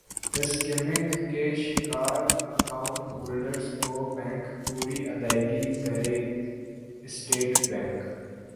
skimming کے شکار account holders کو بینک پوری ادائیگی کرے اسٹیٹ بینک